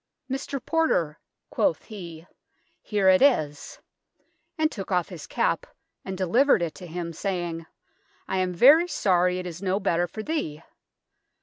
" Mr. Porter," quoth he, " heere it is," and tooke off his capp, and delivered it to him, saying, " I am very sorry it is noe better for thee."